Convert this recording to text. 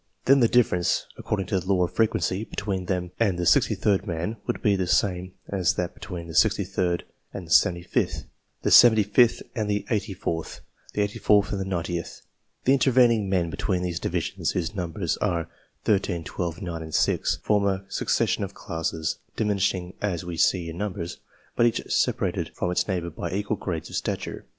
Then the difference, according to the law of frequency, between them and the 63rd man would be the same as that between the 63rd and the 75th, the 75th and the 84th, the 84th and the 90th. The intervening men between these divisions, whose numbers are 13, 12, 9, and 6, form a succession of classes, diminishing as we see in numbers, but each separated from its neighbours by equal grades of stature.